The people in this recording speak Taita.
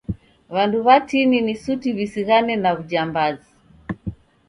W'andu w'atini ni suti w'isighane na w'ujambazi.